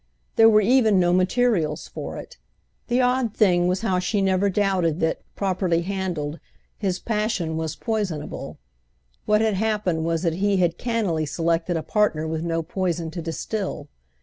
There were even no materials for it. The odd thing was how she never doubted that, properly handled, his passion was poisonable; what had happened was that he had cannily selected a partner with no poison to distil.